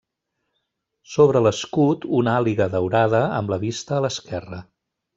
Sobre l'escut una àliga daurada amb la vista a l'esquerra.